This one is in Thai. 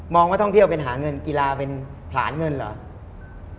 ว่าท่องเที่ยวเป็นหาเงินกีฬาเป็นผลานเงินเหรอ